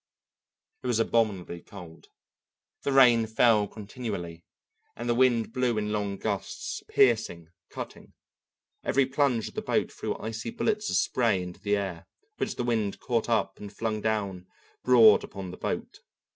It was abominably cold; the rain fell continually, and the wind blew in long gusts, piercing, cutting. Every plunge of the boat threw icy bullets of spray into the air, which the wind caught up and flung down broad upon the boat.